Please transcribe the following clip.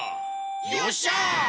よっしゃ！